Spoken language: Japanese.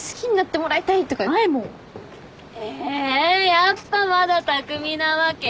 やっぱまだ匠なわけ？